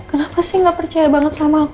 kenapa sih nggak percaya banget sama aku pak